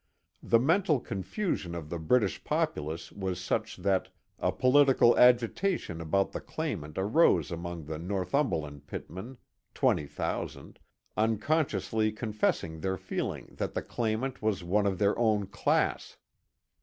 The mental confusion of the British populace was such that a political agitation about the claimant arose among the Nor thumberland pitmen (twenty thousand), unconsciously con fessing their feeling that the claimant was one of their own class.